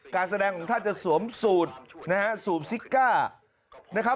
การแสดงของท่านจะสวมสูตรสูตรซิก้า